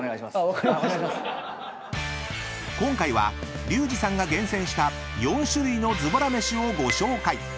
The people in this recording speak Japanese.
［今回はリュウジさんが厳選した４種類のズボラ飯をご紹介］